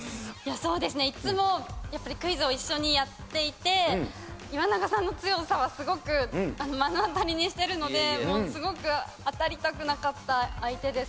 そうですねいっつもやっぱりクイズを一緒にやっていて岩永さんの強さはすごく目の当たりにしてるのですごく当たりたくなかった相手です。